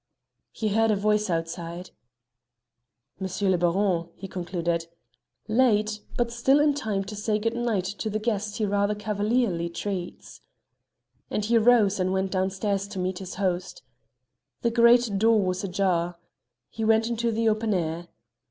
He heard a voice outside. "M. le Baron," he concluded. "Late, but still in time to say good night to the guest he rather cavalierly treats." And he rose and went downstairs to meet his host. The great door was ajar. He went into the open air.